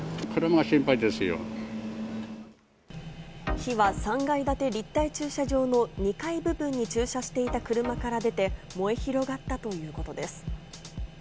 火は３階建て立体駐車場の２階部分に駐車していた車から出て、燃え広がったということです。